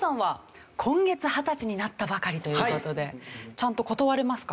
ちゃんと断れますか？